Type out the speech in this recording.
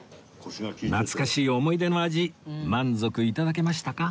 懐かしい思い出の味満足頂けましたか？